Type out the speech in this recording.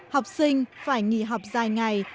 học sinh phải nghỉ học dài ngày